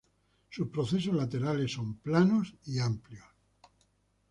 Sus procesos laterales son planos y amplios.